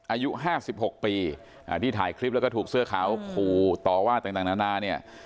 อายุ๕๖ปีที่ถ่ายคลิปแล้วก็ถูกเสื้อขาวขู่ต่อว่าต่างนานาเนี่ย